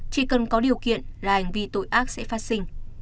chỉ cần có điều kiện là hành vi tội ác sẽ phát sinh